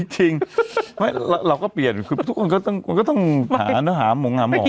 จริงเราก็เปลี่ยนคือทุกคนก็ต้องหาเนื้อหามงหาหมอ